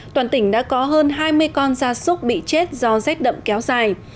toàn tỉnh đã có hơn hai mươi con da súc bị chết do rét đậm kéo dài